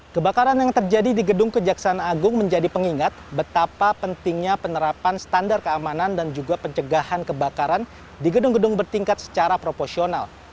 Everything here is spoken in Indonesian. kebakaran yang terjadi di gedung kejaksaan agung menjadi pengingat betapa pentingnya penerapan standar keamanan dan juga pencegahan kebakaran di gedung gedung bertingkat secara proporsional